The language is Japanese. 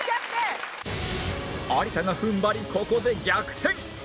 有田が踏ん張りここで逆転！